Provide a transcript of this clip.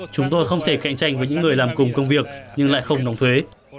chúng tôi không thể cạnh tranh với những người làm cùng công việc nhưng lại không đóng thuế